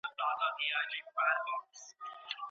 د مال په مقابل کي سوله عادلانه ده.